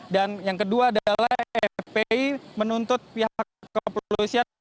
dan yang kedua adalah fpi menuntut pihak kepolisian